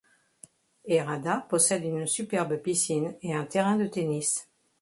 Erada possède une superbe piscine et un terrain de tennis.